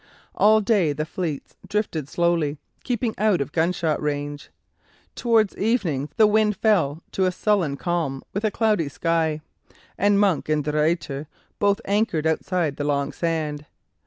All day the fleets drifted slowly, keeping out of gunshot range. Towards evening the wind fell to a sullen calm with a cloudy sky, and Monk and De Ruyter both anchored outside the Long Sand.